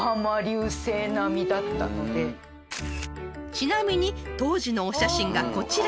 ［ちなみに当時のお写真がこちら］